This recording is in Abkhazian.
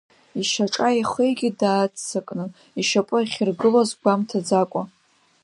Ишьаҿа еихигеит дааццакны, ишьапы ахьиргылоз гәамҭаӡакәа!